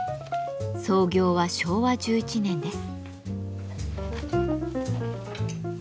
創業は昭和１１年です。